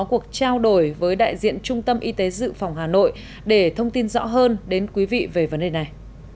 cuộc trao đổi với đại diện trung tâm y tế dự phòng hà nội để thông tin rõ hơn đến quý vị về vấn đề này